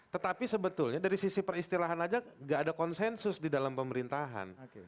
tetapi sebetulnya dari sisi peristilahan aja gak ada konsensus di dalam pemerintahan